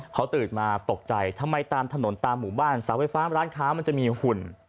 เขาตื่นมาตกใจทำไมตามถนนตามหมู่บ้านเสาไฟฟ้าร้านค้ามันจะมีหุ่น